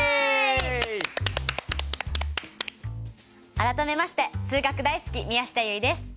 改めまして数学大好き宮下結衣です。